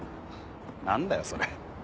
何だよそれ。